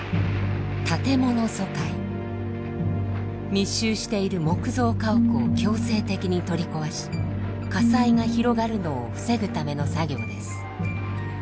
密集している木造家屋を強制的に取り壊し火災が広がるのを防ぐための作業です。